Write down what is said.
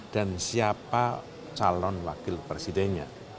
dan siapa calon wakil presidennya